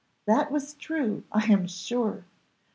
That was true, I am sure.